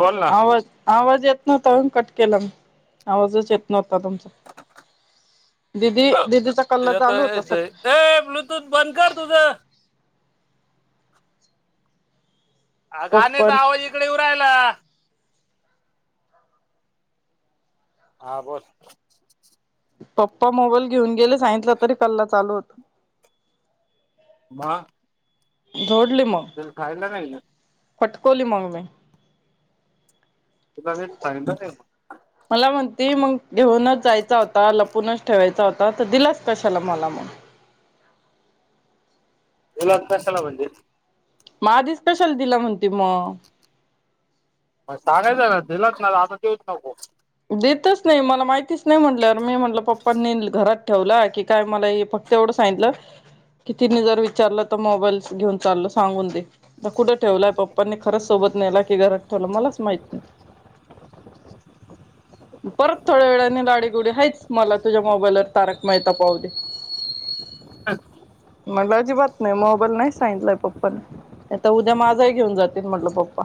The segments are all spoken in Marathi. बोल ना आवाज आवाज येत नव्हता म्हणून कट केला मी आवाजच येत नव्हता तुमचा. दिदी दिदीचा कल्ला चालू होता सकाळ तोंड बंद कर तुझ. हा पप्पा गाण्याचा आवाज इकडे येऊ राहिला. हा बोल. पप्पा मोबाईल घेऊन गेले सांगितलं तरी कल्ला चालू होता. म... झोडली म. तिला खायला नाही का दिलं? फटकोली माग मी. तू काय तिला सांगितलं नाही का? ह [inaudible] मला म्हणती मग घेऊनच जायचा होता लपूनच ठेवायचा होता तर दिलास कशाला मला मग. दिलाच काशाला म्हणजे? म आधीच कशाला दिला म्हणती म. म सांगायचं ना दिलाच नाही आता देऊच नको. देतच नाही मला माहितीच नाही म्हटलं मी म्हटलं पप्पनी घरात ठेवला की काय मला हे फक्त एवढं सांगितलं कितीने जर विचारलं तर मोबाईल घेऊन चालो सांगून दे. कुठं ठेवलंय पप्पांनी खरंच सोबत नेला की घरात ठेवलं मलाच माहित नाही. परत थोड्या वेळाने लाडीगुडी हायच मला तुझ्या मोबाईलवर तारक मेहेता पाहुदे. म्हटलं अजिबात नाही मोबाईल नाही सांगितलाय पप्पा न. आता उद्या माझाही घेऊन जातील म्हटलं पप्पा.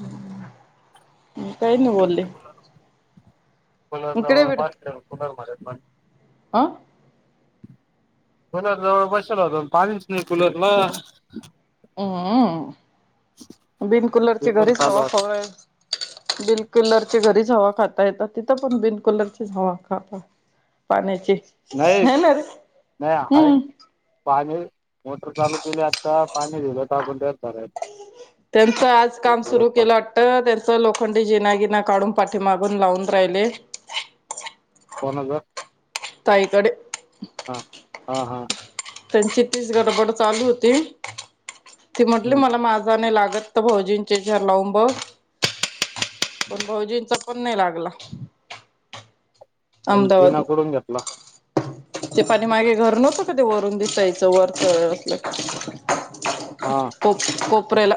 हम् [inaudible] काही नाही बोलली. कुलर ये जवळ भात ठेव कुलर मध्ये पाणी हं. कुलर जवळ बसेल होतो पाणीच नाही कुलरला. हम्म, हम्म बिनकुलरची एकदम घरीच चालू हवा आहे. खाऊ राहिले बिल कुलर घरीच हवा खाता येतात तिथं पण बिल कुलरचीच हवा खा आता. पाण्याची नाही हायनरे नाही आहे हम्म. पाणी मोटर चालू केली आता पाणी दिलं टाकून दिलं त्यात भरायल त्यांचं आज काम सुरू केलं वाट त्यांच लोखंडी जिनागिना काढून पाठी मागून लावून राहिले. कोनाचा ताईकडे हां हां हां. त्यांची तीच गडबड चालू होती ती म्हटली हम्म. मला माझा नाही लागत. भोजींच्या याच्यावर लावून बघ. पण भाऊजींचा पण नाही लागला. आणि जिना अहमदाबादला कुठून घेतला? ते पाठी मागे घर नव्हतं का ते? ते वरून दिसायचं वरचं हा कोप, कोपऱ्याला.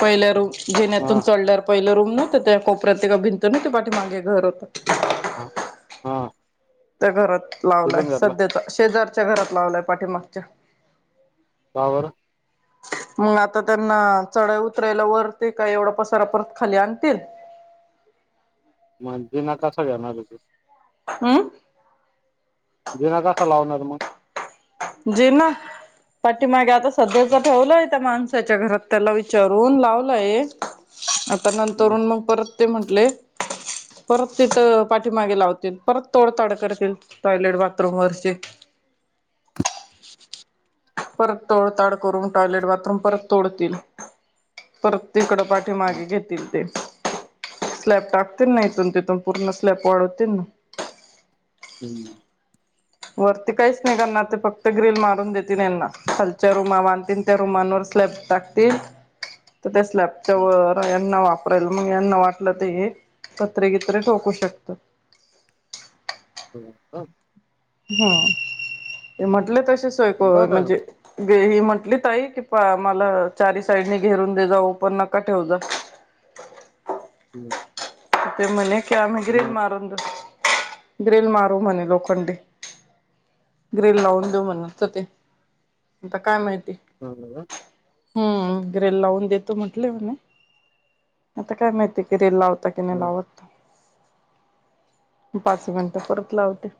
पहिली रूम हा जिन्यातून हा चढल्यावर, पहिली रूम नव्हती त्या कोपऱ्यात एका भिंत नाही का ते पाठी मागे घर होतं. हां, हां. त्या घरात लावलायं सध्याचा शेजारच्या घरात लावलायं पाठीमागच्या. का बर. [inaudible] मग आता त्यांना चढाई उतरायला वर ते काय, एवढा पसारा परत खाली आणतील. मग जिना कसा घेणार आहे ते. अम्म जिना कसा लावणार मग? जिना, पाठीमागे आता सध्यातर ठेवला आहे त्या माणसाच्या घरात. त्याला विचारून लावलाय. आता हम्म नंतरून मग, परत ते म्हटले परत तिथ, पाठीमागे लावतील. परत तोडताड करतील. टॉयलेट-बाथरूम वरचे. परत तोडताड करून, टॉयलेट-बाथरूम परत तोडतील. परत तिकड पाठी हम्म मागे घेतील ते. स्लॅब टाकतील ना इथून-तिथून. पूर्ण स्लॅब वाढवतील ना. हम्म वरती काहीच नाही करणार ते. फक्त ग्रिल मारून देतील ह्यांना. खालच्या रूमा बांधतील. त्या रुमांवर स्लॅब टाकतील. तर त्या स्लॅब तोवर यांना वापरायला. मग यांना वाटल तर ते हे पत्रेगित्रे ठोकू शकतात. [unintelligible] हम्म ते म्हटले तसे सोय करू बरं म्हणजे गे ही म्हंटली ताई कि, मला चारी साईडनी घेरून दे जा. ओपण नको ठेवू जा. हम्म ते म्हणे की, आम्ही ग्रिल मारून देऊ. ग्रिल मारू म्हणे लोखंडी. ग्रिल लावून देऊ म्हणत होते, आता काय माहिती. [unintelligible] हम्म. ग्रिल लावून देतो, म्हटले म्हणे. आता काय माहिती ग्रिल लावताय नाही मग लावत, पाच मिनिट परत लावते.